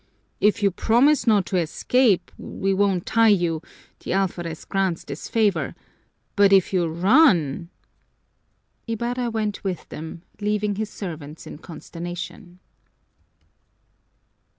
"If you promise not to try to escape, we won't tie you the alferez grants this favor but if you run " Ibarra went with them, leaving his servants in consternation.